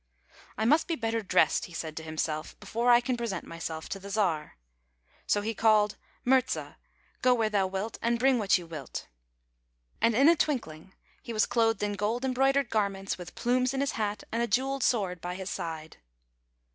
" I must be better dressed," he said to himself, " before I can present myself to the Czar." So he called, ''Murza; go where thou wilt, and bring what you .wilt." And in a twinkling he was clothed in gold embroidered garments, with plumes in his hat, and a jeweled sword by his side.